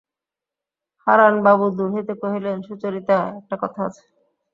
হারানবাবু দূর হইতে কহিলেন, সুচরিতা, একটা কথা আছে।